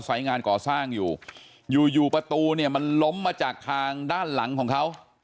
งานก่อสร้างอยู่อยู่ประตูเนี่ยมันล้มมาจากทางด้านหลังของเขา